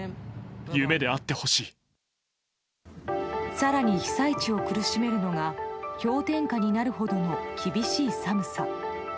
更に被災地を苦しめるのが氷点下になるほどの厳しい寒さ。